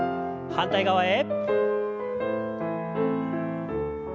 反対側へ。